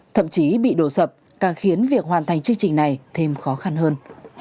thậm chí bị đổ sập càng khiến việc hoàn thành chương trình này thêm khó khăn hơn